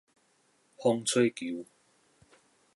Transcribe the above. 風吹球